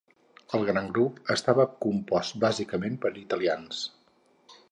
El gran grup estava compost bàsicament per italians.